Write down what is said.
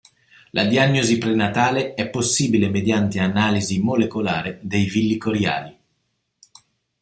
La diagnosi prenatale è possibile mediante analisi molecolare dei villi coriali.